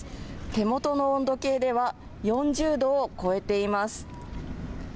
手元の温度計では４０度を超えています。